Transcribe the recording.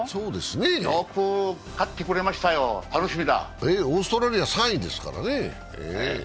よく勝ってくれましたよ、楽しみだオーストラリア３位ですからね。